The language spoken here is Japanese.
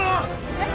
えっ？